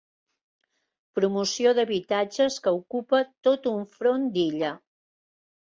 Promoció d'habitatges que ocupa tot un front d'illa.